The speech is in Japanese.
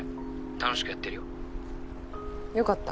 楽しくやってるよ。よかった。